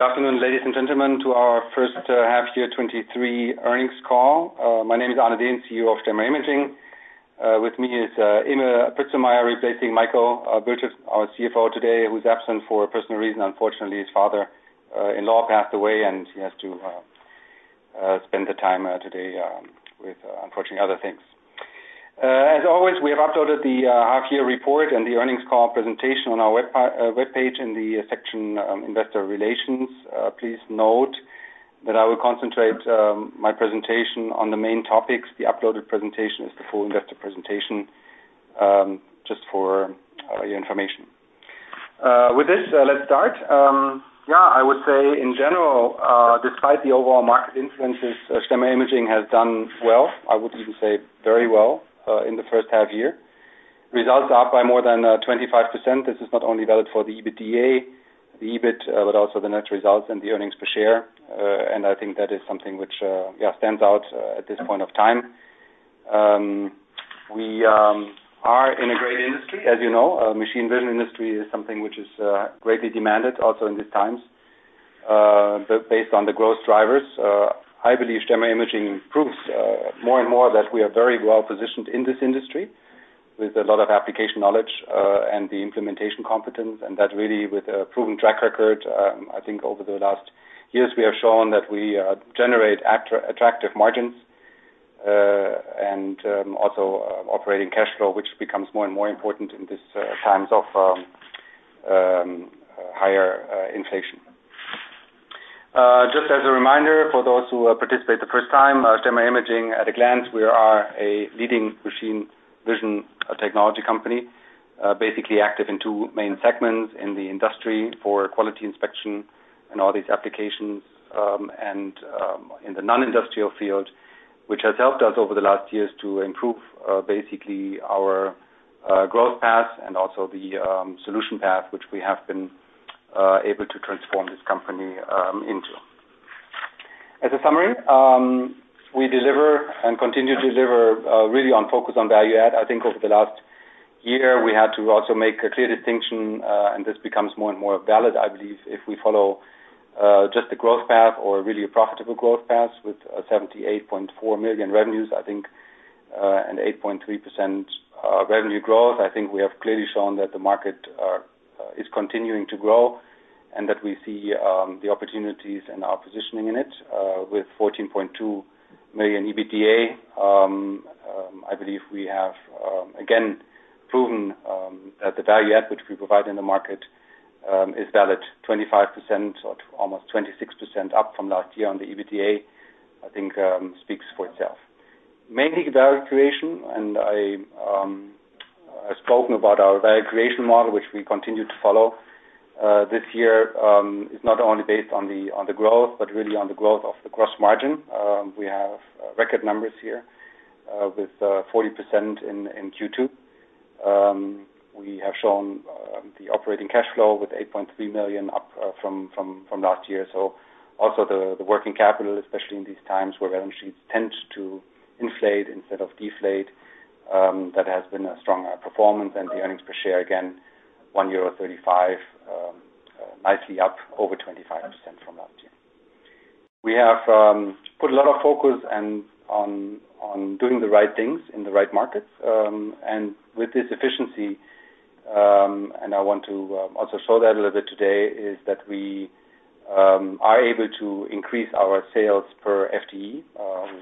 Good afternoon, ladies and gentlemen, to our H1 2023 Earnings Call. My name is Arne Dehn, CEO of STEMMER IMAGING. With me is Imme Pritzmeier, replacing Michael Birkert, our CFO today, who is absent for a personal reason. Unfortunately, his father-in-law passed away. He has to spend the time today with unfortunately other things. As always, we have uploaded the half year report and the earnings call presentation on our web page in the section Investor Relations. Please note that I will concentrate my presentation on the main topics. The uploaded presentation is the full investor presentation, just for your information. With this, let's start. Yeah, I would say in general, despite the overall market influences, STEMMER IMAGING has done well, I would even say very well, in the H1 year. Results are up by more than 25%. This is not only valid for the EBITDA, the EBIT, but also the net results and the earnings per share. I think that is something which, yeah, stands out at this point in time. We are in a great industry, as you know. Machine vision industry is something which is greatly demanded also in these times. Based on the growth drivers, I believe STEMMER IMAGING proves more and more that we are very well positioned in this industry with a lot of application knowledge and the implementation competence, and that really with a proven track record. I think over the last years, we have shown that we generate attractive margins, and also operating cash flow, which becomes more and more important in these times of higher inflation. Just as a reminder, for those who participate the first time, STEMMER IMAGING at a glance, we are a leading machine vision technology company, basically active in two main segments: in the industry for quality inspection and all these applications, and in the non-industrial field, which has helped us over the last years to improve basically our growth path and also the solution path, which we have been able to transform this company into. As a summary, we deliver and continue to deliver really on focused on value-add. I think over the last year, we had to also make a clear distinction, this becomes more and more valid, I believe, if we follow just the growth path or really a profitable growth path with 78.4 million revenues, I think, and 8.3% revenue growth. I think we have clearly shown that the market is continuing to grow, and that we see the opportunities and our positioning in it with 14.2 million EBITDA. I believe we have again proven that the value add, which we provide in the market, is valid. 25% or almost 26% up from last year on the EBITDA, I think, speaks for itself. Mainly, value creation, I've spoken about our value creation model, which we continue to follow. This year is not only based on the growth, but really on the growth of the gross margin. We have record numbers here with 40% in Q2. We have shown the operating cash flow with 8.3 million up from last year. Also the working capital, especially in these times, where balance sheets tend to inflate instead of deflate, that has been a strong performance. The earnings per share, again, 1.35 euro, nicely up over 25% from last year. We have put a lot of focus on doing the right things in the right markets, and with this efficiency, and I want to also show that a little bit today, is that we are able to increase our sales per FTE.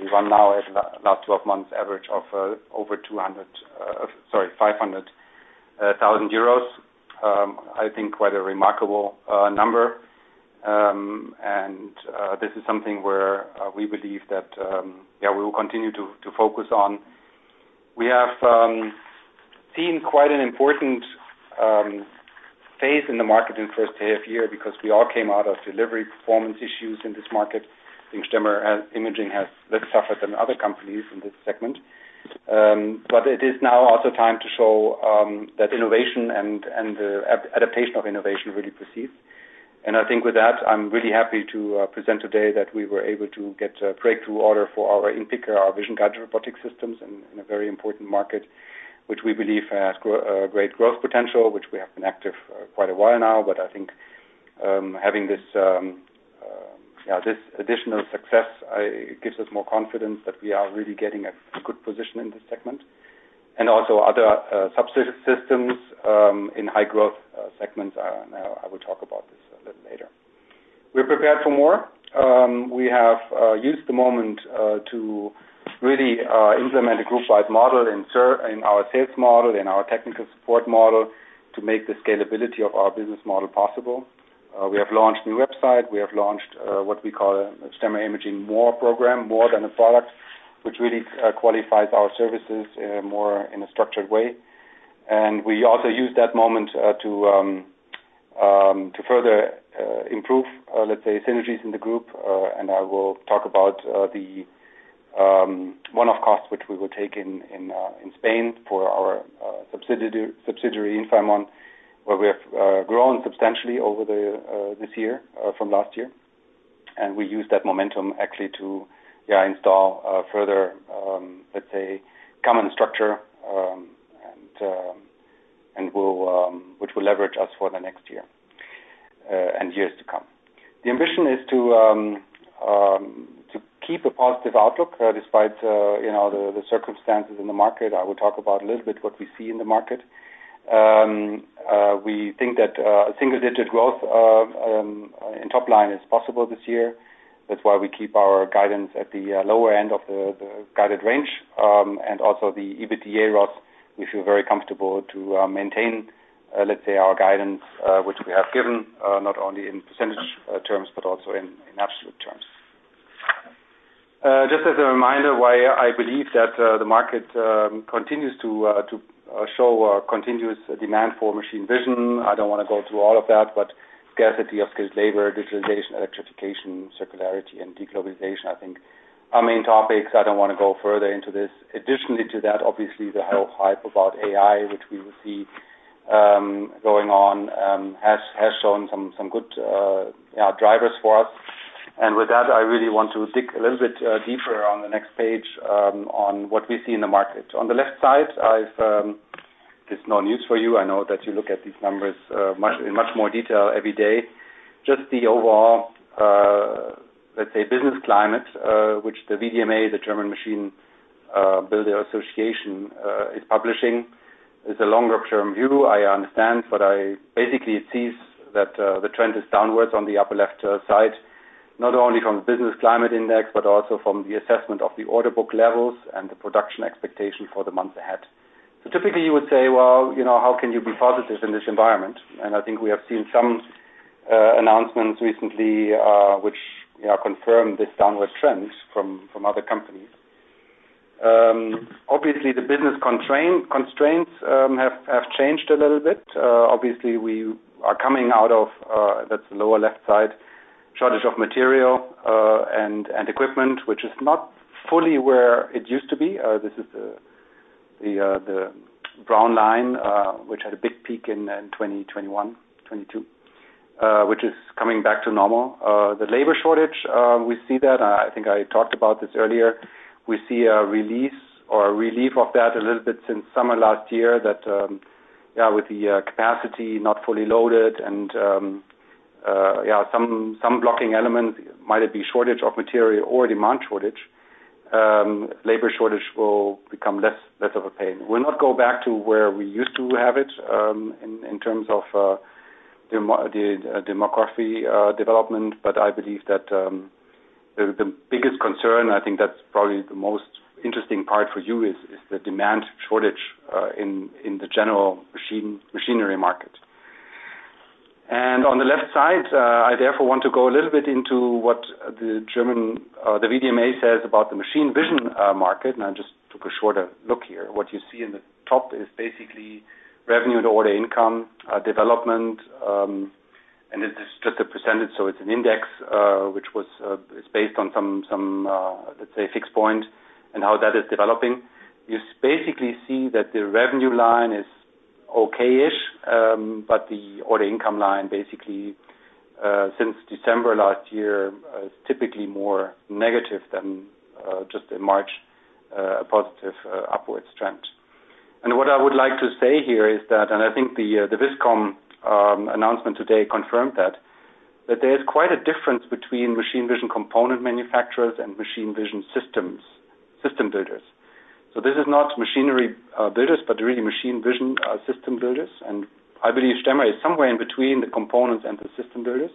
We run now at a a last 12 months average of over 200, sorry, 500,000 euros. I think quite a remarkable number. This is something where we believe that, yeah, we will continue to, to focus on. We have seen quite an important phase in the market in the H1 year because we all came out of delivery performance issues in this market. I think STEMMER IMAGING has less suffered than other companies in this segment. It is now also time to show that innovation and adoption of innovation really proceeds. I think with that, I'm really happy to present today that we were able to get a breakthrough order for our InPicker, our vision-guided robotic systems, in, in a very important market, which we believe has great growth potential, which we have been active for quite a while now. I think having this, yeah, this additional success gives us more confidence that we are really getting a good position in this segment. Also, other subsystems in high-growth segments, and I will talk about this a little later. We're prepared for more. We have used the moment to really implement a group-wide model in our sales model, in our technical support model, to make the scalability of our business model possible. We have launched a new website. We have launched what we call a STEMMER IMAGING MORE program, more than a product, which really qualifies our services in a more, in a structured way. We also use that moment to further improve, let's say, synergies in the group. I will talk about the one-off costs, which we will take in Spain for our subsidiary, Infaimon, where we have grown substantially over this year from last year. We use that momentum actually to, yeah, install further, let's say, common structure. will, which will leverage us for the next year and years to come. The ambition is to keep a positive outlook, despite, you know, the circumstances in the market. I will talk about a little bit what we see in the market. We think that single-digit growth in top line is possible this year. That's why we keep our guidance at the lower end of the guided range. Also the EBITDA growth, we feel very comfortable to maintain, let's say, our guidance, which we have given, not only in % terms, but also in absolute terms. Just as a reminder, why I believe that the market continues to show continuous demand for machine vision. I don't wanna go through all of that, but scarcity of skilled labor, digitalization, electrification, circularity, and de-globalization, I think are main topics. I don't wanna go further into this. Additionally to that, obviously, the whole hype about AI, which we will see going on, has shown some good, yeah, drivers for us. With that, I really want to dig a little bit deeper on the next page, on what we see in the market. On the left side, this is not news for you. I know that you look at these numbers in much more detail every day. Just the overall, let's say, business climate, which the VDMA, the German Machine Builder Association, is publishing, is a longer-term view. I understand, but I basically, it sees that the trend is downwards on the upper left side, not only from the business climate index, but also from the assessment of the order book levels and the production expectation for the months ahead. Typically, you would say, "Well, you know, how can you be positive in this environment?" I think we have seen some announcements recently, which, you know, confirm this downward trend from other companies. Obviously, the business constraints have changed a little bit. Obviously, we are coming out of that's the lower left side, shortage of material and equipment, which is not fully where it used to be. This is the, the, the brown line, which had a big peak in 2021, 2022, which is coming back to normal. The labor shortage, we see that, I think I talked about this earlier. We see a release or a relief of that a little bit since summer last year, that, yeah, with the capacity not fully loaded and, yeah, some, some blocking elements, might it be shortage of material or demand shortage, labor shortage will become less, less of a pain. We'll not go back to where we used to have it, in, in terms of, the demography, development, but I believe that, the, the biggest concern, I think that's probably the most interesting part for you, is, is the demand shortage, in, in the general machinery market. On the left side, I therefore want to go a little bit into what the German, the VDMA says about the machine vision, market, and I just took a shorter look here. What you see in the top is basically revenue to order income, development, and this is just a %, so it's an index, which was, is based on some, some, let's say, fixed point and how that is developing. You basically see that the revenue line is okay-ish, but the order income line, basically, since December last year, is typically more negative than just in March, a positive upwards trend. What I would like to say here is that, and I think the Viscom announcement today confirmed that, there is quite a difference between machine vision component manufacturers and machine vision systems, system builders. This is not machinery, builders, but really machine vision, system builders. I believe Stemmer is somewhere in between the components and the system builders.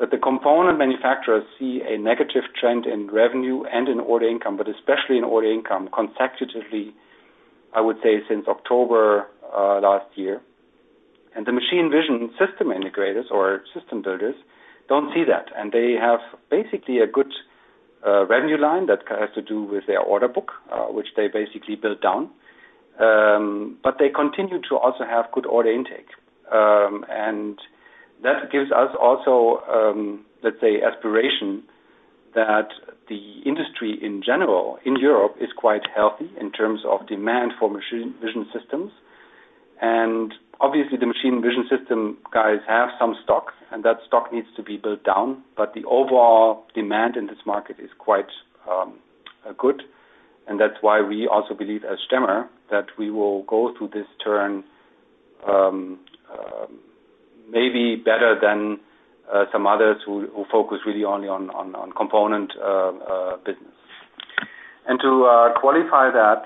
The component manufacturers see a negative trend in revenue and in order income, but especially in order income, consecutively, I would say, since October last year. The machine vision system integrators or system builders don't see that, and they have basically a good revenue line that has to do with their order book, which they basically built down. They continue to also have good order intake. That gives us also, let's say, aspiration that the industry in general, in Europe, is quite healthy in terms of demand for machine vision systems. Obviously, the machine vision system guys have some stock, and that stock needs to be built down, but the overall demand in this market is quite good. That's why we also believe, as Stemmer, that we will go through this turn maybe better than some others who focus really only on component business. To qualify that,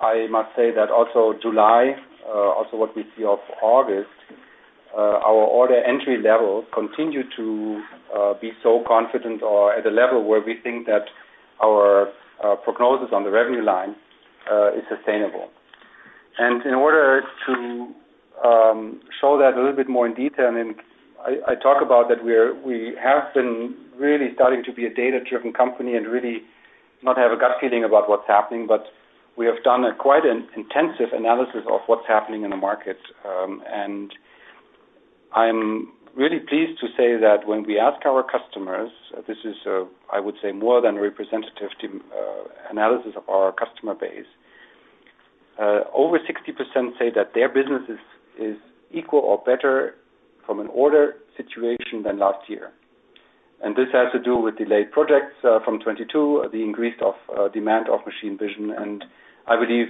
I must say that also July, also what we see of August, our order entry levels continue to be so confident or at a level where we think that our prognosis on the revenue line is sustainable. In order to show that a little bit more in detail, and I, I talk about that we have been really starting to be a data-driven company and really not have a gut feeling about what's happening, but we have done a quite an intensive analysis of what's happening in the market. And I'm really pleased to say that when we ask our customers, this is, I would say, more than a representative analysis of our customer base, over 60% say that their business is equal or better from an order situation than last year. This has to do with delayed projects from 2022, the increased demand of machine vision. And I believe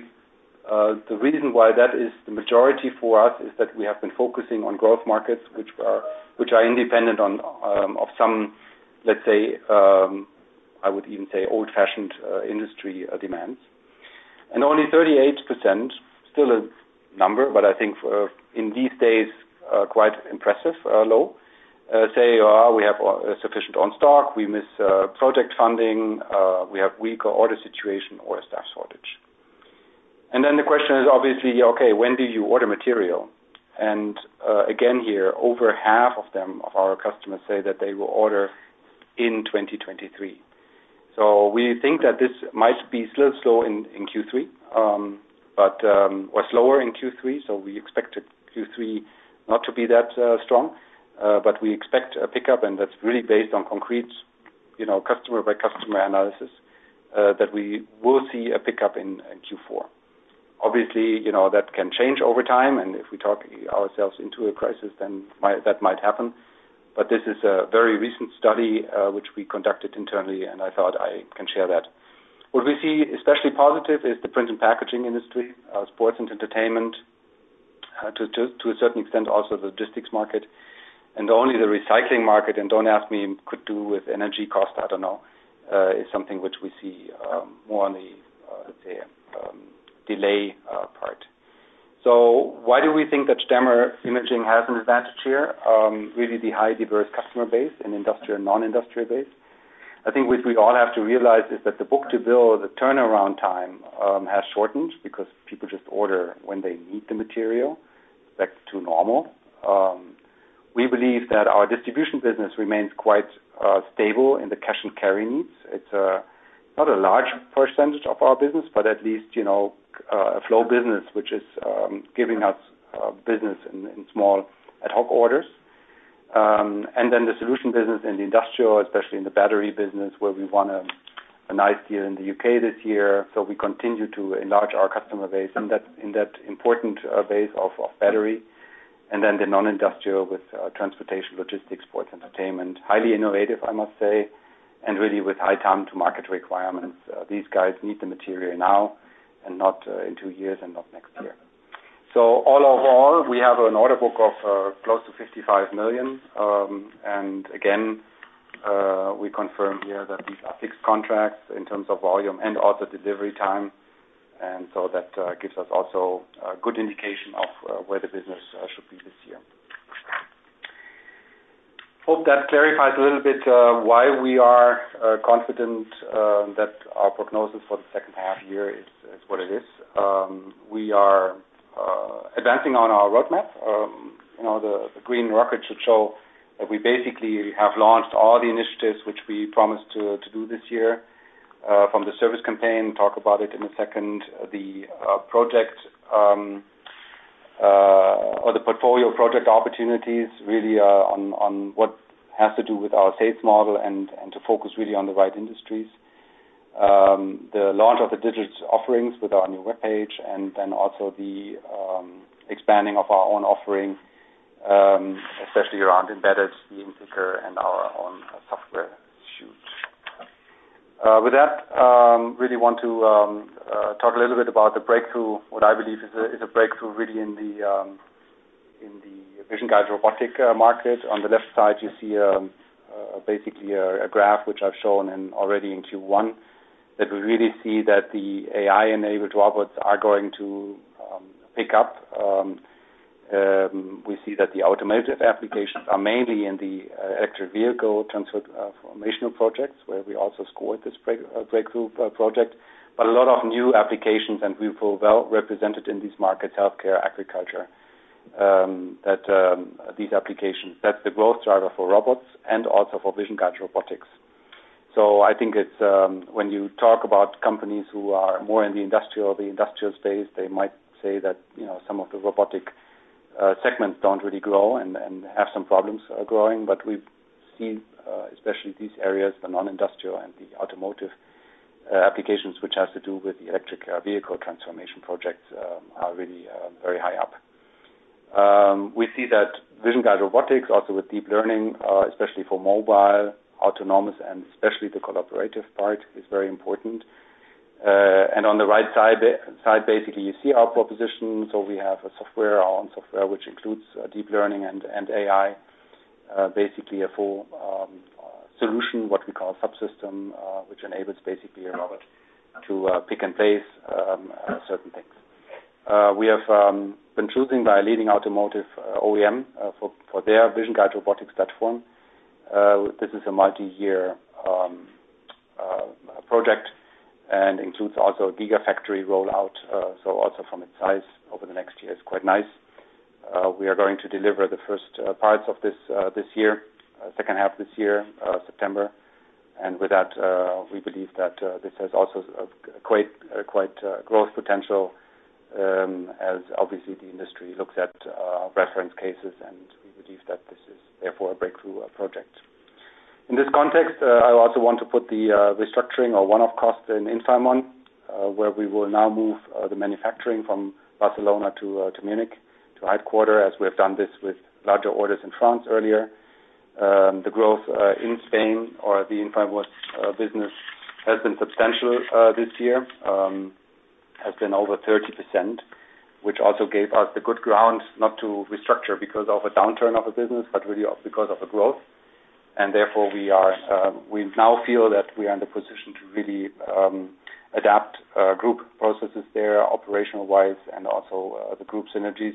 the reason why that is the majority for us, is that we have been focusing on growth markets, which are, which are independent on some, let's say, I would even say, old-fashioned industry demands. Only 38%, still a number, but I think for, in these days, quite impressive, low, say, we have sufficient on stock, we miss project funding, we have weaker order situation or a staff shortage. Then the question is obviously: Okay, when do you order material? Again, here, over half of them, of our customers say that they will order in 2023. We think that this might be still slow in, in Q3, but, or slower in Q3, so we expected Q3 not to be that strong. But we expect a pickup, and that's really based on concrete, you know, customer-by-customer analysis, that we will see a pickup in, in Q4. Obviously, you know, that can change over time, and if we talk ourselves into a crisis, then that might happen. This is a very recent study, which we conducted internally, and I thought I can share that. What we see, especially positive, is the print and packaging industry, sports and entertainment, to a certain extent, also the logistics market. Only the recycling market, and don't ask me, could do with energy cost, I don't know, is something which we see more on the, let's say, delay part. Why do we think that STEMMER IMAGING has an advantage here? Really, the high diverse customer base in industrial and non-industrial base. I think what we all have to realize is that the book-to-bill, the turnaround time, has shortened because people just order when they need the material, back to normal. We believe that our distribution business remains quite stable in the cash and carry needs. It's not a large percentage of our business, but at least, you know, a flow business, which is giving us business in small ad hoc orders. The solution business in the industrial, especially in the battery business, where we won a nice deal in the U.K. this year. We continue to enlarge our customer base in that, in that important base of battery, and then the non-industrial with transportation, logistics, sports, entertainment. Highly innovative, I must say, and really with high time to market requirements. These guys need the material now and not in two years and not next year. Overall, we have an order book of close to 55 million. Again, we confirm here that these are fixed contracts in terms of volume and order delivery time, that gives us also a good indication of where the business should be this year. Hope that clarifies a little bit why we are confident that our prognosis for the second half year is what it is. We are advancing on our roadmap. You know, the green rocket should show that we basically have launched all the initiatives which we promised to do this year, from the service campaign, talk about it in a second, the project or the portfolio project opportunities really on what has to do with our sales model and to focus really on the right industries. The launch of the digital offerings with our new webpage and then also the expanding of our own offering, especially around embedded, InPicker and our own software suite. With that, really want to talk a little bit about the breakthrough, what I believe is a, is a breakthrough, really, in the vision-guided robotic market. On the left side, you see basically a graph, which I've shown in already in Q1, that we really see that the AI-enabled robots are going to pick up. We see that the automotive applications are mainly in the electric vehicle transformation projects, where we also scored this breakthrough project. A lot of new applications, and we feel well represented in these markets, healthcare, agriculture, that these applications, that's the growth driver for robots and also for vision-guided robotics. I think it's, when you talk about companies who are more in the industrial, the industrial space, they might say that, you know, some of the robotic segments don't really grow and have some problems growing. We've seen, especially these areas, the non-industrial and the automotive applications, which has to do with the electric vehicle transformation projects, are really very high up. We see that vision-guided robotics, also with deep learning, especially for mobile, autonomous, and especially the collaborative part, is very important. On the right side, basically, you see our proposition. We have a software, our own software, which includes deep learning and AI, basically a full solution, what we call a subsystem, which enables basically a robot to pick and place certain things. We have been choosing by a leading automotive OEM for their vision guide robotics platform. This is a multi-year project and includes also a gigafactory rollout, so also from its size over the next year is quite nice. We are going to deliver the first parts of this this year, second half this year, September. With that, we believe that this has also a quite, quite growth potential, as obviously the industry looks at reference cases, and we believe that this is therefore a breakthrough project. In this context, I also want to put the restructuring or one-off cost in Infaimon where we will now move the manufacturing from Barcelona to Munich, to headquarter, as we have done this with larger orders in France earlier. The growth in Spain or the Infaimon business has been substantial this year, has been over 30%, which also gave us the good ground not to restructure because of a downturn of the business, but really of, because of the growth. Therefore, we are, we now feel that we are in the position to really adapt group processes there, operational-wise, and also the group synergies.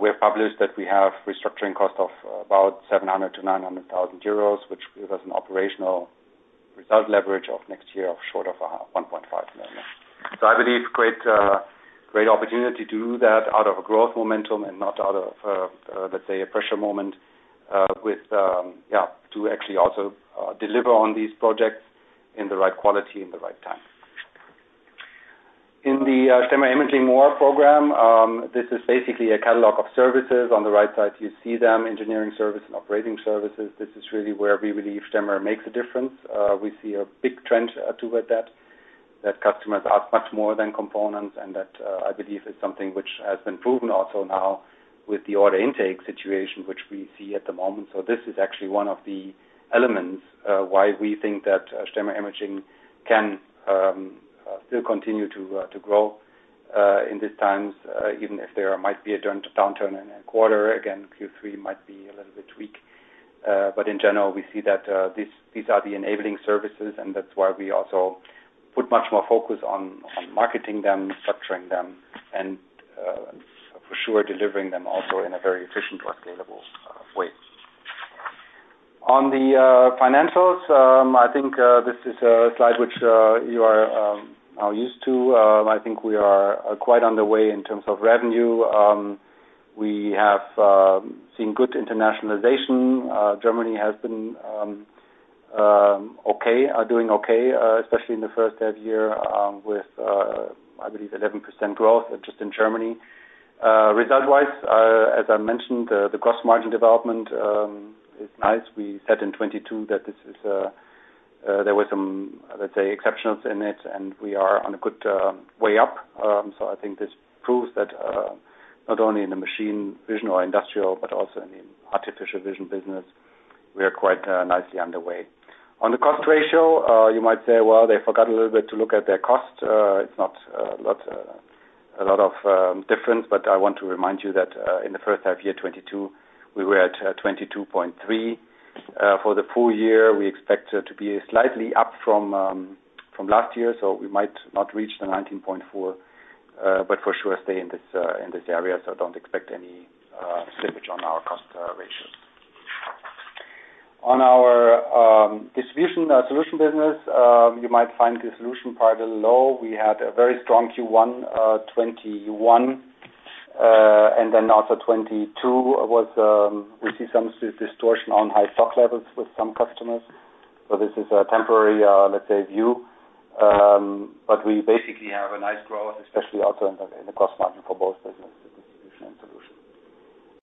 We have published that we have restructuring cost of about 700,000-900,000 euros, which give us an operational result leverage of next year of short of 1.5 million. I believe great, great opportunity to do that out of a growth momentum and not out of, let's say, a pressure moment, with to actually also deliver on these projects in the right quality, in the right time. In the STEMMER IMAGING MORE program, this is basically a catalog of services. On the right side, you see them, engineering service and operating services. This is really where we believe Stemmer makes a difference. We see a big trend toward that, that customers ask much more than components, that, I believe, is something which has been proven also now with the order intake situation, which we see at the moment. This is actually one of the elements why we think that STEMMER IMAGING can still continue to grow in these times, even if there might be a downturn in a quarter. Q3 might be a little bit weak, in general, we see that these, these are the enabling services, that's why we also put much more focus on, on marketing them, structuring them, and for sure, delivering them also in a very efficient or scalable way. On the financials, I think this is a slide which you are now used to. I think we are quite on the way in terms of revenue. We have seen good internationalization. Germany has been okay, are doing okay, especially in the H1 year, with I believe, 11% growth just in Germany. Result-wise, as I mentioned, the gross margin development is nice. We said in 2022 that this is, there were some, let's say, exceptionals in it, and we are on a good way up. I think this proves that not only in the machine vision or industrial, but also in the artificial vision business, we are quite nicely underway. On the cost ratio, you might say, "Well, they forgot a little bit to look at their cost." It's not, not a lot of difference, but I want to remind you that in the H1 2022, we were at 22.3%. For the full year, we expect to be slightly up from last year, so we might not reach the 19.4%, but for sure, stay in this area, so don't expect any slippage on our cost ratio. On our distribution solution business, you might find the solution part a little low. We had a very strong Q1, 2021, and then also 2022 was, we see some distortion on high stock levels with some customers. This is a temporary, let's say, view. We basically have a nice growth, especially also in the gross margin for both businesses, distribution and solution.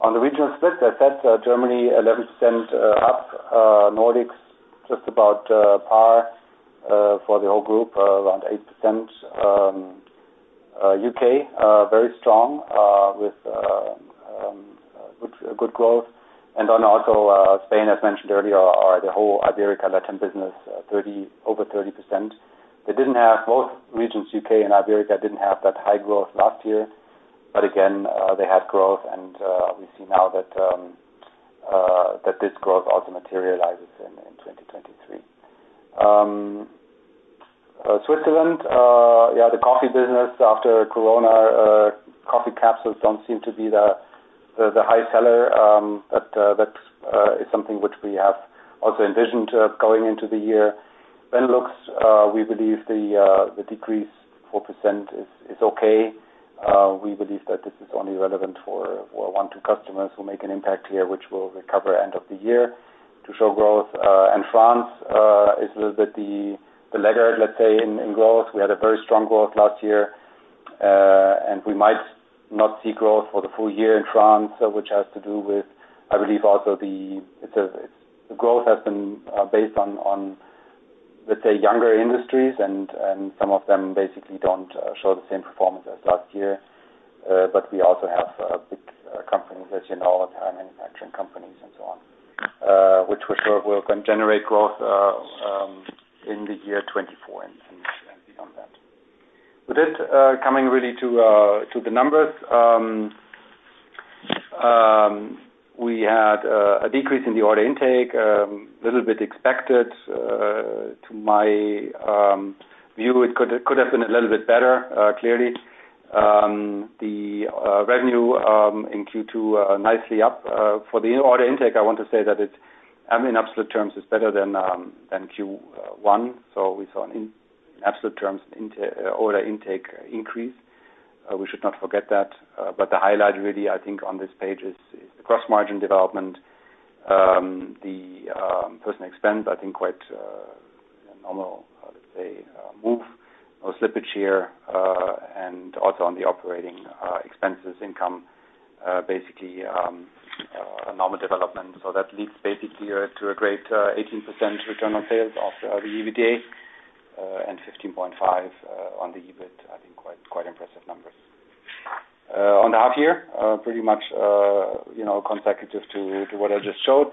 On the regional split, I said, Germany, 11% up. Nordics, just about par for the whole group, around 8%. U.K., very strong with good, good growth. Also, Spain, as mentioned earlier, are the whole Ibérica, Latin business, 30%, over 30%. Both regions, U.K. and Ibérica, didn't have that high growth last year, but again, they had growth, and we see now that this growth also materializes in 2023. Switzerland, the coffee business after Corona, coffee capsules don't seem to be the, the, the high seller. That is something which we have also envisioned going into the year. Benelux, we believe the decrease, 4%, is okay. We believe that this is only relevant for one, two customers who make an impact here, which will recover end of the year to show growth. France is a little bit the, the laggard in growth. We had a very strong growth last year. We might not see growth for the full year in France, which has to do with, I believe, also the... It's the growth has been based on, on, let's say, younger industries and, and some of them basically don't show the same performance as last year. We also have big companies, as you know, time and action companies and so on, which for sure will can generate growth in the year 2024 and, and, and beyond that. With this, coming really to the numbers, we had a decrease in the order intake, a little bit expected. To my view, it could, it could have been a little bit better, clearly. The revenue in Q2 nicely up. For the order intake, I want to say that it, I mean, absolute terms, is better than Q1. We saw an in absolute terms, order intake increase. We should not forget that, but the highlight, really, I think, on this page is, is the gross margin development. The personal expense, I think, quite normal, I would say, move or slippage here, and also on the operating expenses, income. Basically, normal development. That leads basically to a great 18% return on sales of the EBITDA, and 15.5 on the EBIT, I think quite, quite impressive numbers. On the out here, pretty much, you know, consecutive to, to what I just showed,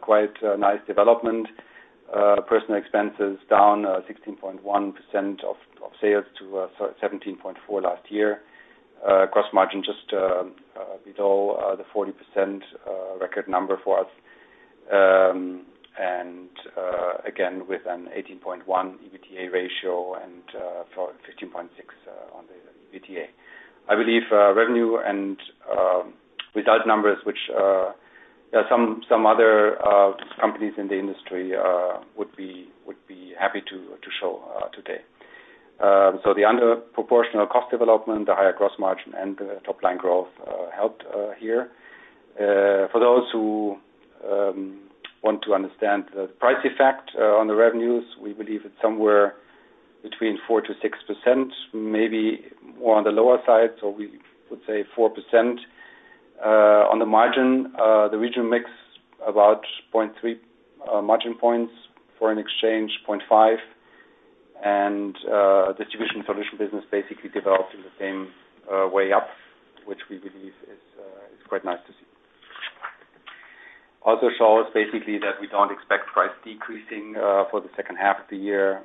quite nice development. Personal expenses down 16.1% of sales to 17.4 last year. Gross margin, just below the 40% record number for us. Again, with an 18.1 EBITDA ratio and for 15.6 on the EBIT. I believe revenue and without numbers which, yeah, some other companies in the industry would be happy to show today. The under proportional cost development, the higher gross margin and top line growth helped here. For those who want to understand the price effect on the revenues, we believe it's somewhere between 4%-6%, maybe more on the lower side, so we would say 4%. On the margin, the regional mix, about 0.3 margin points for an exchange, 0.5. Distribution solution business basically developed in the same way up, which we believe is quite nice to see. Also shows basically that we don't expect price decreasing for the second half of the year.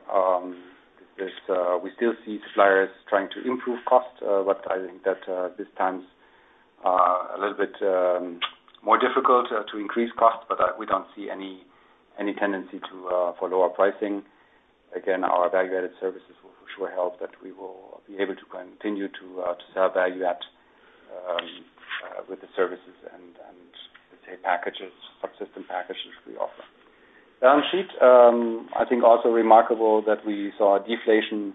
There's we still see suppliers trying to improve costs, but I think that this time a little bit more difficult to increase costs, but we don't see any, any tendency for lower pricing. Again, our value-added services will for sure help, that we will be able to continue to sell value at with the services and, and let's say, packages, subsystem packages we offer. Balance sheet, I think also remarkable that we saw a deflation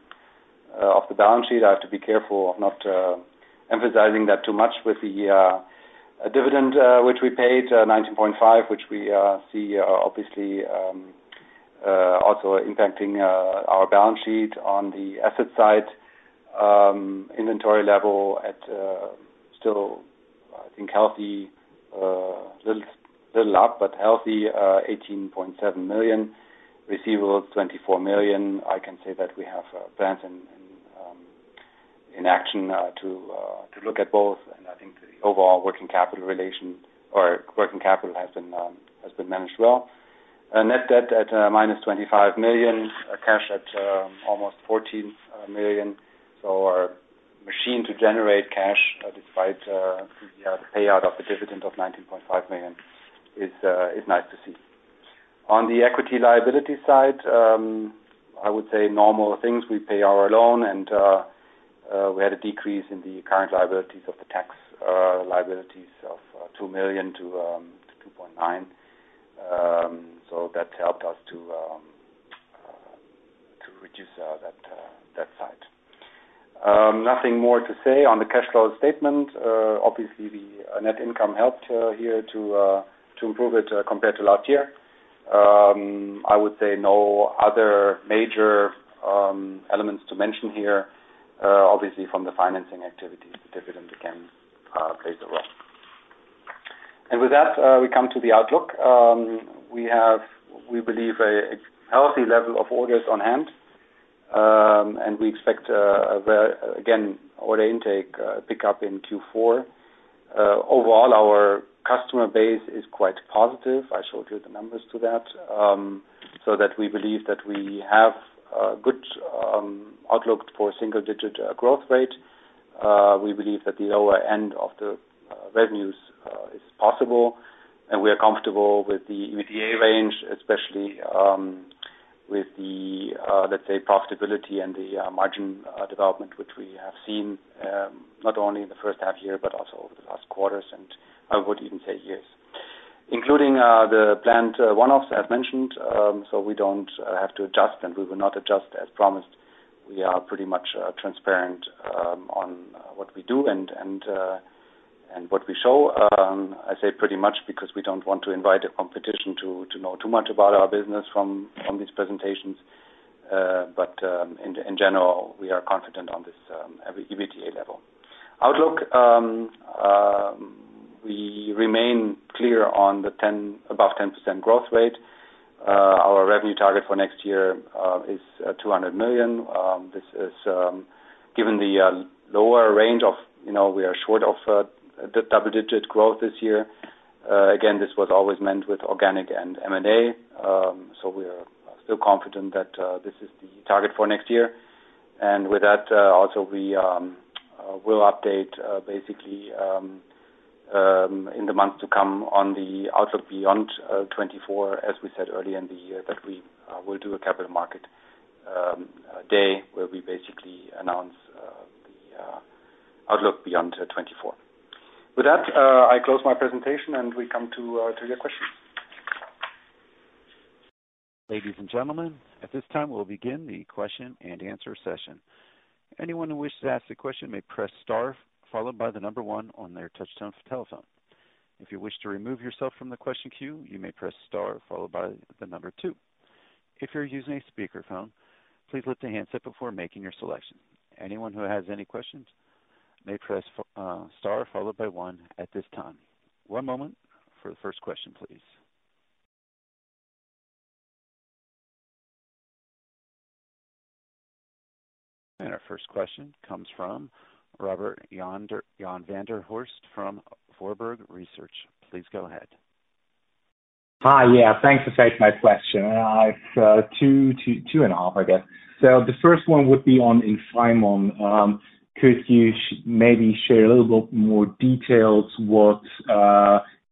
of the balance sheet. I have to be careful of not emphasizing that too much with the dividend, which we paid 19.5 million, which we see obviously also impacting our balance sheet on the asset side. Inventory level at still, I think, healthy, little, little up, but healthy, 18.7 million. Receivable, 24 million. I can say that we have a plan in in action to look at both. I think the overall working capital relation or working capital has been managed well. Net debt at -25 million, cash at almost 14 million. Our machine to generate cash, despite the payout of the dividend of 19.5 million is nice to see. On the equity liability side, I would say normal things. We pay our loan and we had a decrease in the current liabilities of the tax liabilities of 2 million-2.9 million. That helped us to reduce that side. Nothing more to say on the cash flow statement. Obviously, the net income helped here to improve it compared to last year. I would say no other major elements to mention here. Obviously, from the financing activities, the dividend, again, plays a role. With that, we come to the outlook. We have, we believe, a healthy level of orders on hand, and we expect a very, again, order intake pick up in Q4. Overall, our customer base is quite positive. I showed you the numbers to that. That we believe that we have a good outlook for single-digit growth rate. We believe that the lower end of the revenues is possible, and we are comfortable with the EBITDA range, especially with the, let's say, profitability and the margin development, which we have seen not only in the H1, but also over the last quarters, and I would even say years. Including the planned one-offs I've mentioned, we don't have to adjust, and we will not adjust as promised. We are pretty much transparent on what we do and, and what we show. I say pretty much because we don't want to invite the competition to know too much about our business from these presentations. In general, we are confident on this EBITDA level. Outlook, we remain clear on the 10, above 10% growth rate. Our revenue target for next year is 200 million. This is given the lower range of, you know, we are short of the double-digit growth this year. Again, this was always meant with organic and M&A. We are still confident that this is the target for next year. With that, also, we will update, basically, in the months to come on the outlook beyond 2024, as we said earlier in the year, that we will do a capital market day, where we basically announce, the outlook beyond 2024. With that, I close my presentation, and we come to your questions. Ladies and gentlemen, at this time, we'll begin the question-and-answer session. Anyone who wishes to ask a question may press star, followed by one on their touch-tone telephone. If you wish to remove yourself from the question queue, you may press star, followed by two. If you're using a speakerphone, please lift the handset before making your selection. Anyone who has any questions may press star followed by one at this time. One moment for the first question, please. Our first question comes from Robert-Jan van der Horst from Warburg Research. Please go ahead. Hi, yeah, thanks for taking my question. It's 2, 2, 2.5, I guess. The first one would be on Infaimon. Could you maybe share a little bit more details what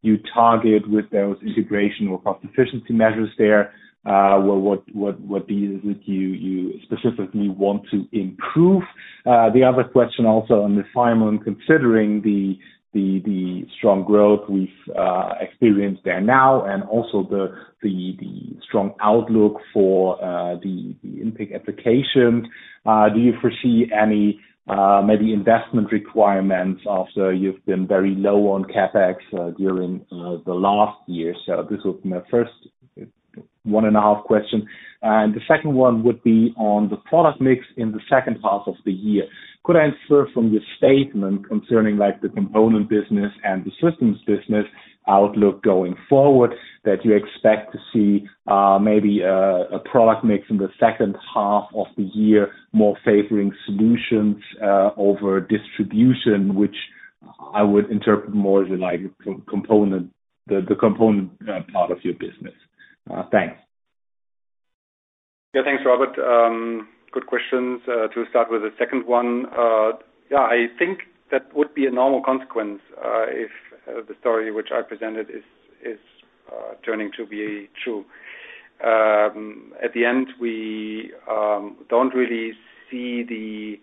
you target with those integration or cost efficiency measures there? What is it you specifically want to improve? The other question also on Infaimon, considering the strong growth we've experienced there now, and also the strong outlook for the InPicker application, do you foresee any maybe investment requirements after you've been very low on CapEx during the last year? This was my first 1.5 question. The second one would be on the product mix in the second half of the year. Could I infer from your statement concerning, like, the component business and the systems business outlook going forward, that you expect to see, maybe a product mix in the second half of the year, more favoring solutions, over distribution, which I would interpret more as, like, a component part of your business? Thanks. Yeah, thanks, Robert. Good questions to start with the second one. Yeah, I think that would be a normal consequence if the story which I presented is, is turning to be true. At the end, we don't really see the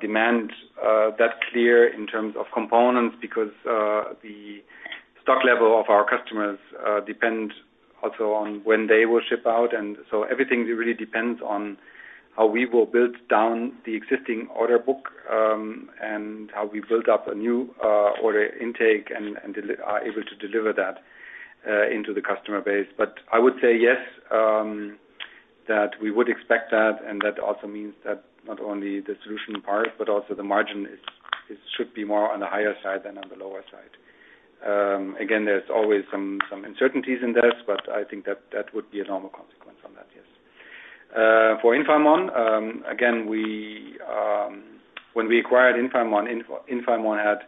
demand that clear in terms of components, because the stock level of our customers depend also on when they will ship out. So everything really depends on how we will build down the existing order book, and how we build up a new order intake and are able to deliver that into the customer base. I would say, yes, that we would expect that. That also means that not only the solution part, but also the margin is, it should be more on the higher side than on the lower side. Again, there's always some, some uncertainties in this, but I think that that would be a normal consequence from that, yes. For Infaimon, again, we, when we acquired Infaimon, Infaimon had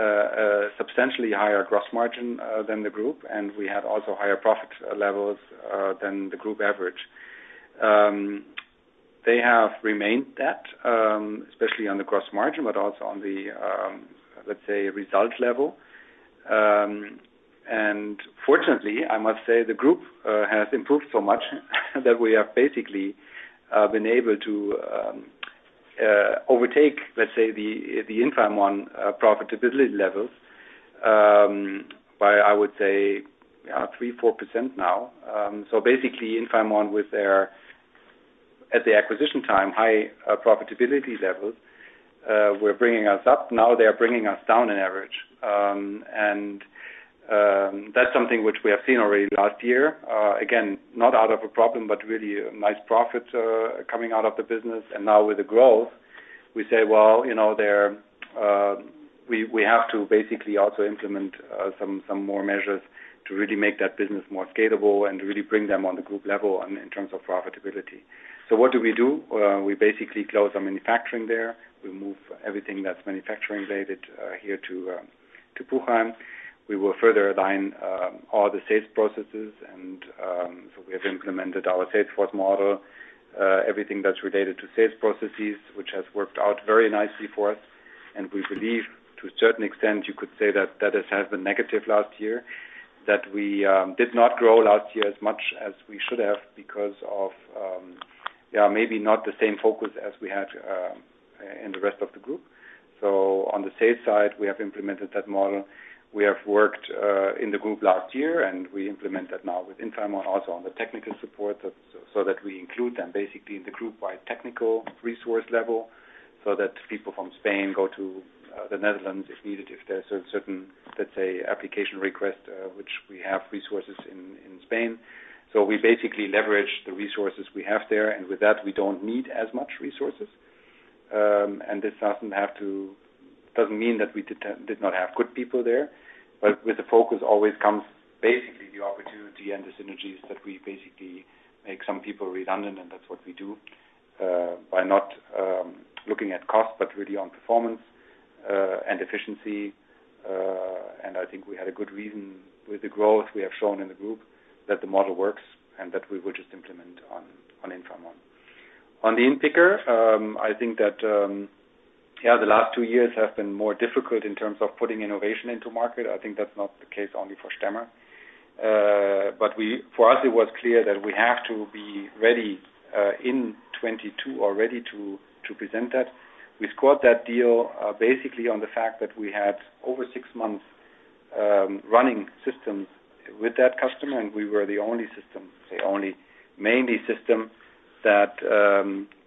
a substantially higher gross margin than the group. We had also higher profit levels than the group average. They have remained that, especially on the gross margin, but also on the, let's say, result level. Fortunately, I must say, the group has improved so much, that we have basically been able to overtake, let's say, the Infaimon profitability levels, by, I would say, 3-4% now. Basically, Infaimon, with their, at the acquisition time, high profitability levels, were bringing us up. Now, they are bringing us down on average. That's something which we have seen already last year. Again, not out of a problem, but really a nice profit coming out of the business. Now with the growth, we say, well, you know, there, we have to basically also implement some more measures to really make that business more scalable and really bring them on the group level on, in terms of profitability. What do we do? We basically close the manufacturing there. We move everything that's manufacturing related, here to, to Puchheim. We will further align all the sales processes, and so we have implemented our Salesforce model, everything that's related to sales processes, which has worked out very nicely for us. We believe, to a certain extent, you could say that, that has had the negative last year, that we did not grow last year as much as we should have because of, yeah, maybe not the same focus as we had in the rest of the group. On the sales side, we have implemented that model. We have worked in the group last year, and we implement that now with Infaimon, also on the technical support, so that we include them basically in the group by technical resource level, so that people from Spain go to the Netherlands, if needed, if there's a certain, let's say, application request, which we have resources in Spain. We basically leverage the resources we have there, and with that, we don't need as much resources. This doesn't mean that we did not have good people there, but with the focus always comes basically the opportunity and the synergies that we basically make some people redundant, and that's what we do by not looking at cost, but really on performance and efficiency. I think we had a good reason with the growth we have shown in the group that the model works, and that we would just implement on, on Infaimon. On the InPicker, I think that, yeah, the last two years have been more difficult in terms of putting innovation into market. I think that's not the case only for Stemmer. For us, it was clear that we have to be ready in 2022 or ready to, to present that. We scored that deal basically on the fact that we had over six months running systems with that customer, and we were the only system, the only mainly system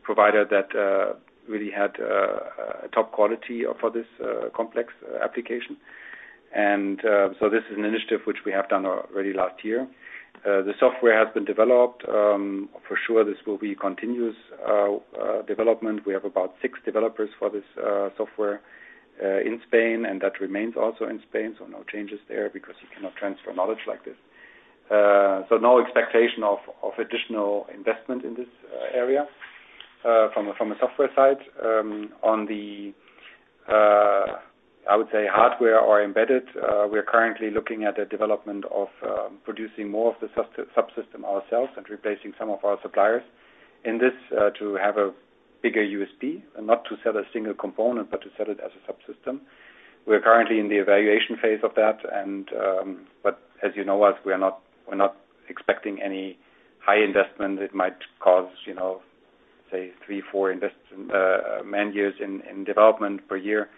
provider that really had a top quality for this complex application. This is an initiative which we have done already last year. The software has been developed. For sure, this will be continuous development. We have about six developers for this software in Spain, and that remains also in Spain, so no changes there because you cannot transfer knowledge like this. No expectation of, of additional investment in this area from a, from a software side. On the, I would say, hardware or embedded, we are currently looking at the development of producing more of the subsystem ourselves and replacing some of our suppliers in this to have a bigger USP and not to sell a single component, but to sell it as a subsystem. We're currently in the evaluation phase of that, and as you know us, we are not, we're not expecting any high investment. It might cause, you know, say, three, four man years in development per year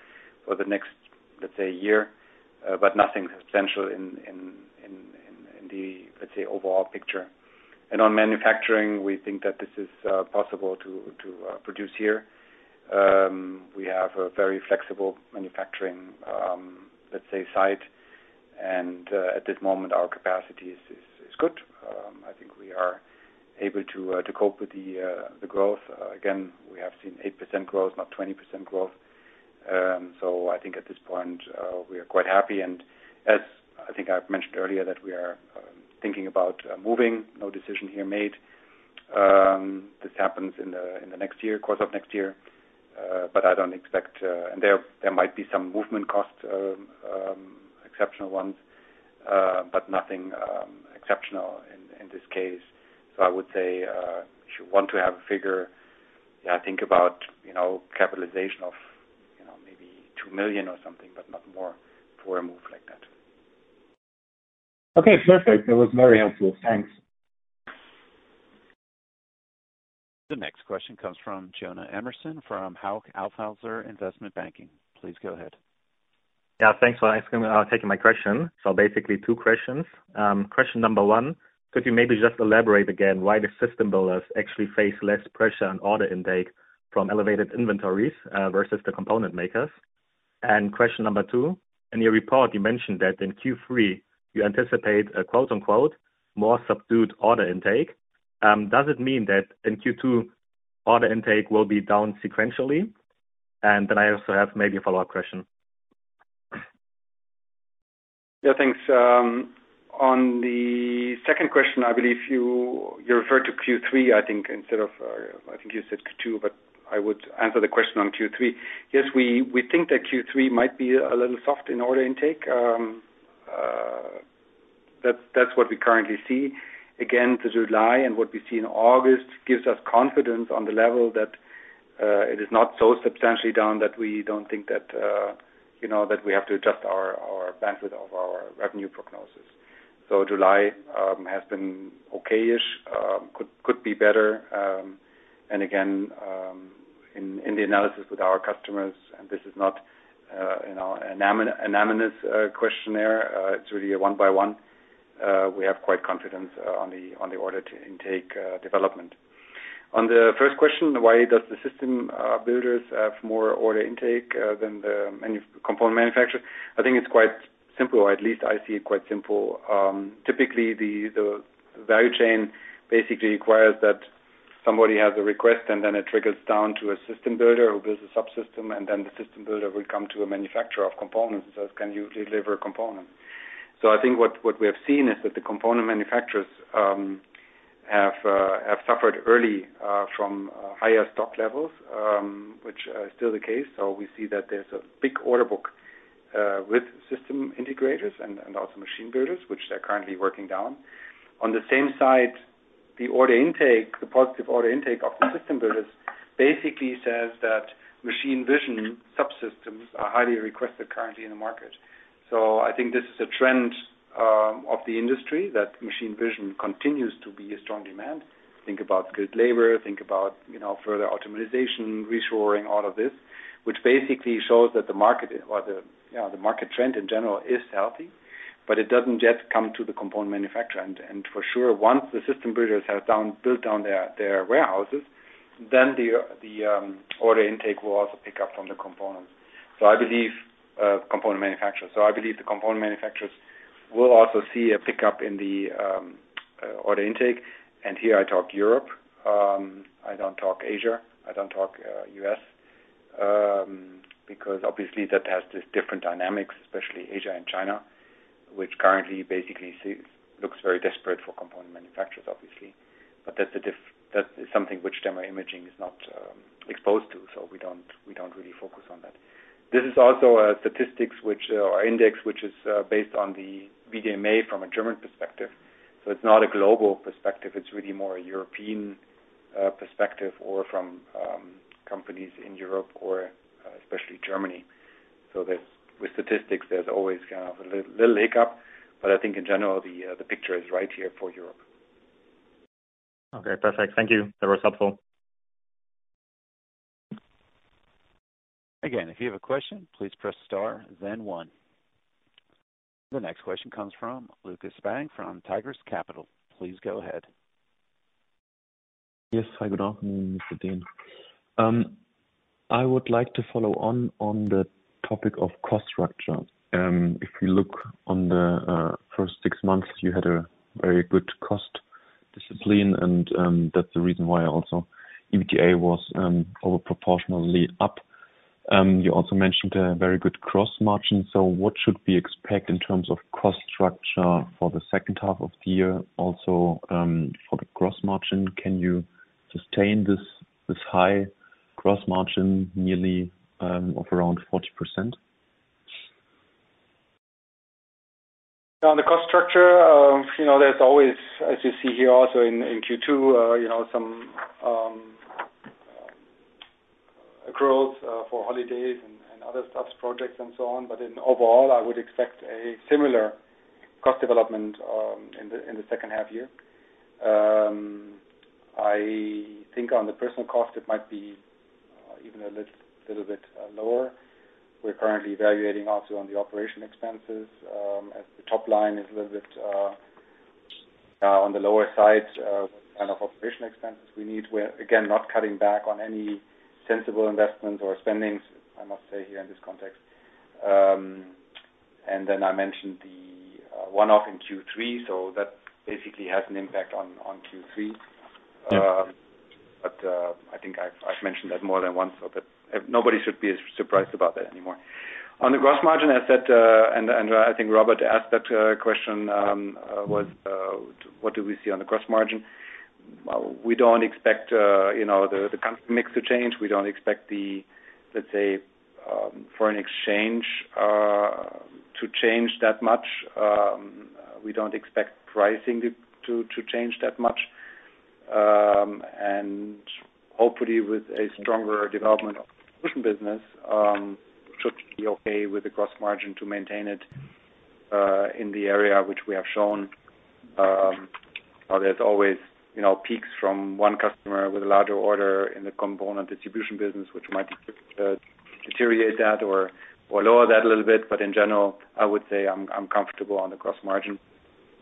for the next, let's say, year, but nothing substantial in the, let's say, overall picture. On manufacturing, we think that this is possible to produce here. We have a very flexible manufacturing, let's say, site, and at this moment, our capacity is good. I think we are able to cope with the growth. Again, we have seen 8% growth, not 20% growth. I think at this point, we are quite happy. As I think I've mentioned earlier, that we are thinking about moving. No decision here made. This happens in the next year, course of next year, I don't expect... There, there might be some movement costs, exceptional ones, but nothing exceptional in this case. I would say, if you want to have a figure, yeah, think about, you know, capitalization of, you know, maybe 2 million or something, but not more for a move like that. Okay, perfect. That was very helpful. Thanks. The next question comes from Jonah Emerson, from Hauck Aufhäuser Investment Banking. Please go ahead. Yeah, thanks for asking, taking my question. Basically, two questions. Question number one, could you maybe just elaborate again why the system builders actually face less pressure on order intake from elevated inventories, versus the component makers? Question number two, in your report, you mentioned that in Q3, you anticipate a "more subdued order intake." Does it mean that in Q2, order intake will be down sequentially? Then I also have maybe a follow-up question. Yeah, thanks. On the second question, I believe you, you referred to Q3, I think, instead of, I think you said Q2, but I would answer the question on Q3. Yes, we, we think that Q3 might be a little soft in order intake. That's, that's what we currently see. Again, the July and what we see in August gives us confidence on the level that it is not so substantially down that we don't think that, you know, that we have to adjust our, our bandwidth of our revenue prognosis. July has been okay-ish, could, could be better. And again, in, in the analysis with our customers, and this is not, you know, an anonymous questionnaire, it's really a one by one, we have quite confidence on the, on the order to intake development. On the first question, why does the system builders have more order intake than the component manufacturer? I think it's quite simple, or at least I see it quite simple. Typically, the, the value chain basically requires that somebody has a request, and then it triggers down to a system builder who builds a subsystem, and then the system builder will come to a manufacturer of components and says, "Can you deliver a component?" I think what, what we have seen is that the component manufacturers have suffered early from higher stock levels, which is still the case. We see that there's a big order book with system integrators and, and also machine builders, which they're currently working down. On the same side, the order intake, the positive order intake of the system builders basically says that machine vision subsystems are highly requested currently in the market. I think this is a trend of the industry, that machine vision continues to be a strong demand. Think about good labor, think about, you know, further optimization, reshoring, all of this, which basically shows that the market, or the, you know, the market trend, in general, is healthy, but it doesn't yet come to the component manufacturer. For sure, once the system builders have built down their, their warehouses, then the order intake will also pick up from the components. I believe component manufacturers. I believe the component manufacturers will also see a pickup in the order intake. Here I talk Europe, I don't talk Asia, I don't talk US, because obviously, that has this different dynamics, especially Asia and China, which currently basically looks very desperate for component manufacturers, obviously. That is something which STEMMER IMAGING is not exposed to, we don't, we don't really focus on that. This is also a statistics which or index, which is based on the VDMA from a German perspective. It's not a global perspective, it's really more a European perspective or from companies in Europe or especially Germany. There's, with statistics, there's always kind of a little hiccup, but I think in general, the picture is right here for Europe. Okay, perfect. Thank you. That was helpful. Again, if you have a question, please press star, then one. The next question comes from Lukas Spang from Tigris Capital. Please go ahead. Yes. Hi, good afternoon, Arne Dehn. I would like to follow on, on the topic of cost structure. If you look on the first six months, you had a very good cost discipline, and that's the reason why also EBITDA was over proportionally up. You also mentioned a very good gross margin, so what should we expect in terms of cost structure for the second half of the year, also for the gross margin? Can you sustain this, this high gross margin nearly of around 40%? On the cost structure, you know, there's always, as you see here also in Q2, you know, some growth for holidays and other stuff, projects and so on. In overall, I would expect a similar cost development in the second half year. I think on the personal cost, it might be even a little, little bit lower. We're currently evaluating also on the operation expenses, as the top line is a little bit on the lower side, kind of operation expenses we need. We're, again, not cutting back on any sensible investment or spendings, I must say, here in this context. Then I mentioned the one-off in Q3, that basically has an impact on Q3. Yep. I think I've, I've mentioned that more than once, so but nobody should be surprised about that anymore. On the gross margin, as said, and I think Robert asked that question, was, what do we see on the gross margin? Well, we don't expect, you know, the country mix to change. We don't expect the, let's say, foreign exchange to change that much. We don't expect pricing to, to, to change that much. Hopefully with a stronger development of business, should be okay with the gross margin to maintain it in the area which we have shown. There's always, you know, peaks from one customer with a larger order in the component distribution business, which might deteriorate that or, or lower that a little bit. In general, I would say I'm, I'm comfortable on the gross margin.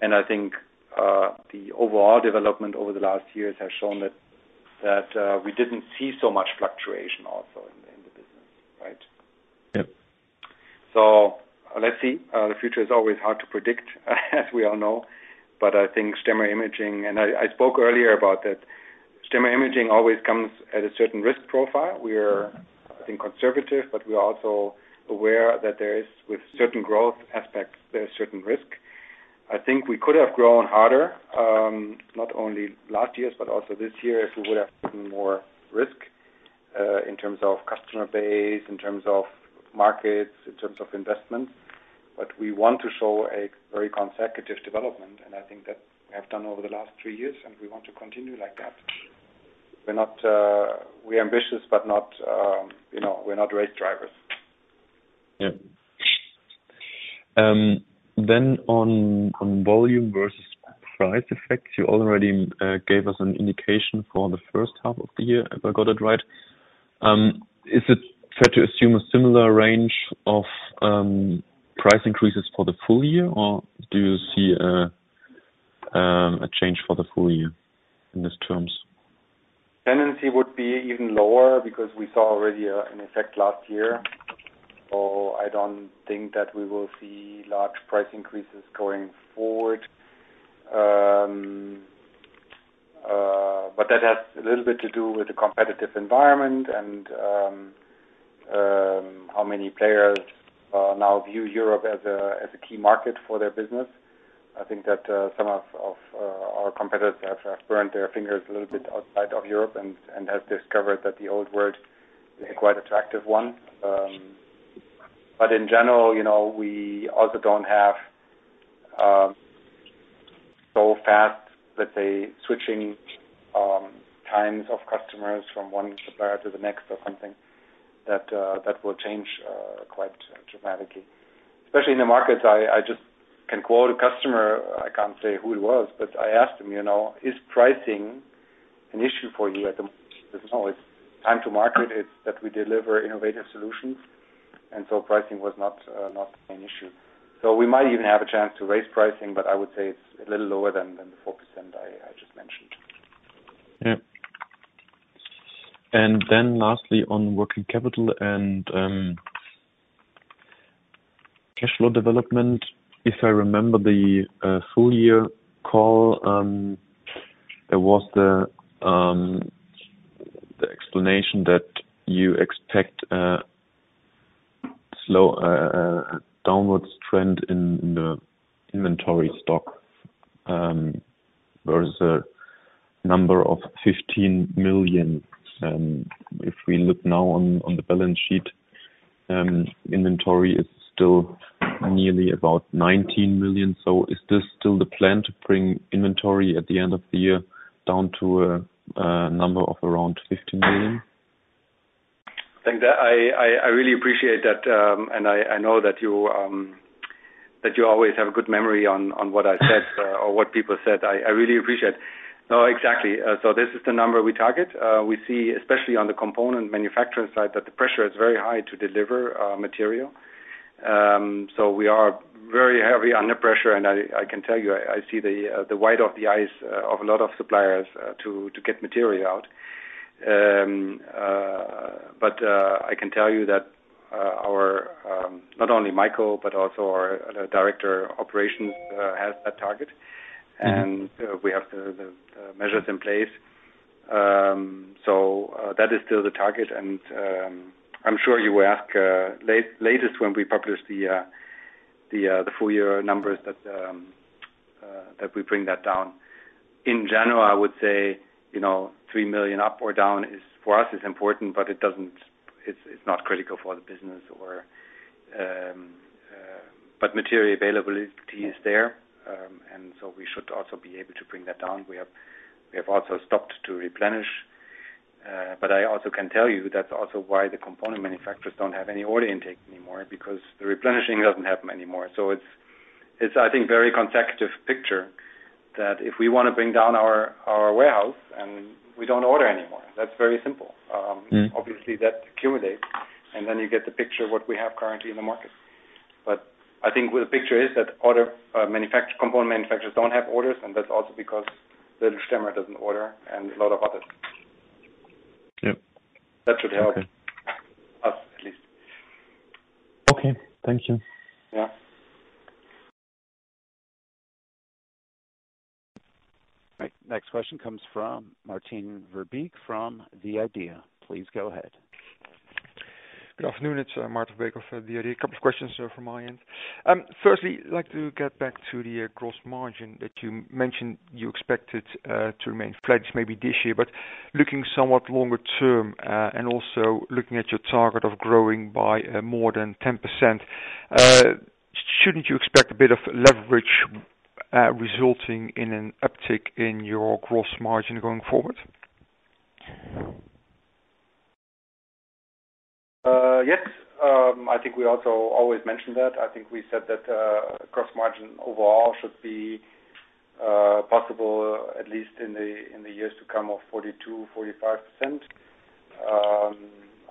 I think, the overall development over the last years has shown that, that, we didn't see so much fluctuation also in, in the business, right? Yep. Let's see. The future is always hard to predict, as we all know. I think STEMMER IMAGING, and I, I spoke earlier about that. STEMMER IMAGING always comes at a certain risk profile. We are, I think, conservative, but we are also aware that there is, with certain growth aspects, there is certain risk. I think we could have grown harder, not only last year, but also this year, if we would have taken more risk, in terms of customer base, in terms of markets, in terms of investments. We want to show a very consecutive development, and I think that we have done over the last three years, and we want to continue like that. We're not, we're ambitious, but not, you know, we're not risk-takers. Yeah. On, on volume versus price effects, you already gave us an indication for the H1, if I got it right. Is it fair to assume a similar range of price increases for the full year, or do you see a change for the full year in these terms? Tendency would be even lower because we saw already an effect last year. I don't think that we will see large price increases going forward. That has a little bit to do with the competitive environment and how many players now view Europe as a key market for their business. I think that some of our competitors have burned their fingers a little bit outside of Europe and have discovered that the Old World is a quite attractive one. In general, you know, we also don't have so fast that the switching times of customers from one supplier to the next or something, that will change quite dramatically. Especially in the markets, I, I just can quote a customer, I can't say who it was, but I asked him, "You know, is pricing an issue for you at the moment?" "Oh, it's time to market. It's that we deliver innovative solutions." So pricing was not an issue. We might even have a chance to raise pricing, but I would say it's a little lower than the 4% I just mentioned. Yeah. Then lastly, on working capital and cash flow development. If I remember the full year call, there was the explanation that you expect a slow downwards trend in the inventory stock versus a number of 15 million. If we look now on the balance sheet, inventory is still nearly about 19 million. Is this still the plan to bring inventory at the end of the year down to a number of around 15 million? I think that I, I, I really appreciate that, and I, I know that you that you always have a good memory on, on what I said or what people said. I, I really appreciate. No, exactly. This is the number we target. We see, especially on the component manufacturing side, that the pressure is very high to deliver material. We are very heavy under pressure, and I, I can tell you, I see the white of the eyes of a lot of suppliers to, to get material out. I can tell you that our not only Michael, but also our director of operations has that target. We have the measures in place. That is still the target, and I'm sure you will ask, latest when we publish the full year numbers that, that we bring that down. In general, I would say, you know, 3 million up or down is, for us, is important, but it's not critical for the business or, but material availability is there. We should also be able to bring that down. We have also stopped to replenish. I also can tell you that's also why the component manufacturers don't have any order intake anymore, because the replenishing doesn't happen anymore. It's, I think, very consecutive picture, that if we wanna bring down our, our warehouse and we don't order anymore, that's very simple. Mm. Obviously, that accumulates, and then you get the picture of what we have currently in the market. I think what the picture is, that other component manufacturers don't have orders, and that's also because the customer doesn't order and a lot of others. Yep. That should help, us at least. Okay, thank you. Yeah. All right, next question comes from Maarten Verbeek from the IDEA!. Please go ahead. Good afternoon, it's Maarten Verbeek of the IDEA!. A couple of questions from my end. Firstly, I'd like to get back to the gross margin that you mentioned you expected to remain flat maybe this year. Looking somewhat longer term, and also looking at your target of growing by more than 10%, shouldn't you expect a bit of leverage, resulting in an uptick in your gross margin going forward? Yes. I think we also always mention that. I think we said that gross margin overall should be possible, at least in the years to come, of 42%-45%.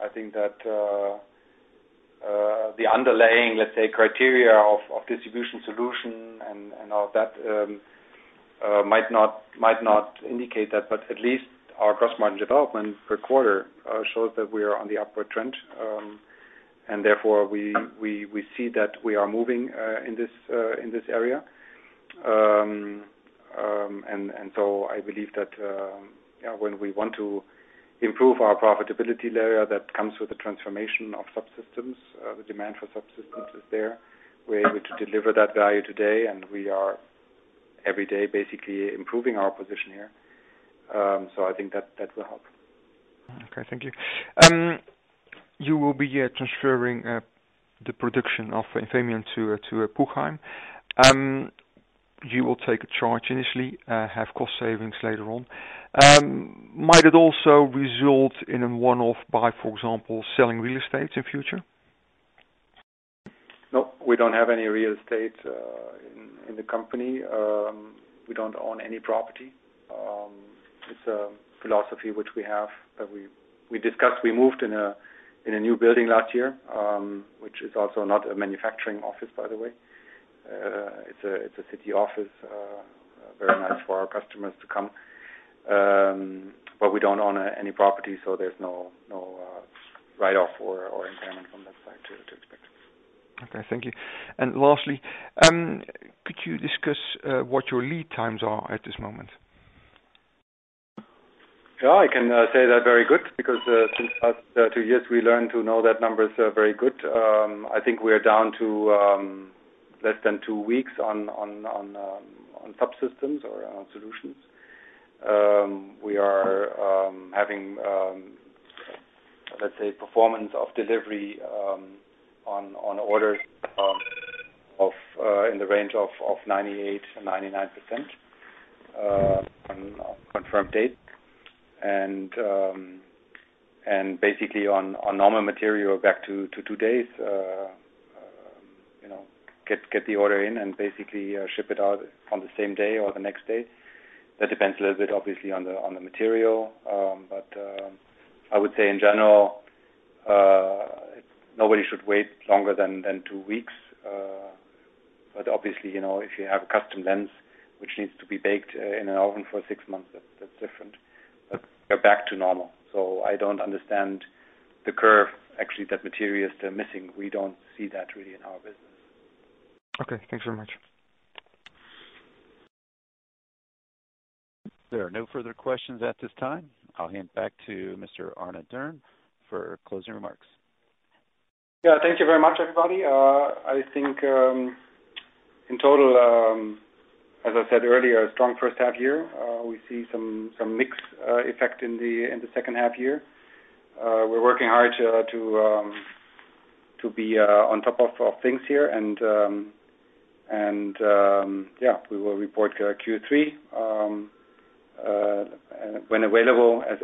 I think that the underlying, let's say, criteria of distribution solution and all that might not, might not indicate that, but at least our gross margin development per quarter shows that we are on the upward trend. Therefore, we, we, we see that we are moving in this area. I believe that, yeah, when we want to improve our profitability area, that comes with the transformation of subsystems. The demand for subsystems is there. We're able to deliver that value today, and we are every day basically improving our position here. I think that, that will help. Okay, thank you. You will be transferring the production of Eufemian to to Puchheim. You will take a charge initially, have cost savings later on. Might it also result in a one-off buy, for example, selling real estate in future? No, we don't have any real estate in, in the company. We don't own any property. It's a philosophy which we have, that we, we discussed. We moved in a, in a new building last year, which is also not a manufacturing office, by the way. It's a, it's a city office, very nice for our customers to come. We don't own any property, so there's no, no write-off or, or impairment from that side to, to expect. Okay, thank you. Lastly, could you discuss, what your lead times are at this moment? Yeah, I can say they're very good, because since the last two years, we learned to know that numbers are very good. I think we are down to less than two weeks on subsystems or on solutions. We are having, let's say, performance of delivery on orders of in the range of 98% and 99% on confirmed date. Basically, on normal material, back to two days, you know, get the order in and basically ship it out on the same day or the next day. That depends a little bit, obviously, on the material. I would say in general, nobody should wait longer than two weeks. Obviously, you know, if you have a custom lens which needs to be baked in an oven for six months, that's, that's different. We're back to normal, so I don't understand the curve, actually, that materials they're missing. We don't see that really in our business. Okay, thanks very much. There are no further questions at this time. I'll hand back to Mr. Arne Dehn for closing remarks. Yeah, thank you very much, everybody. I think in total, as I said earlier, a strong H1. We see some, some mix effect in the second half year. We're working hard to to to be on top of of things here. Yeah, we will report Q3 when available, as usual.